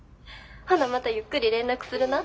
ほなまたゆっくり連絡するな。